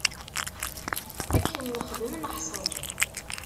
Akken nexdem, neḥṣel.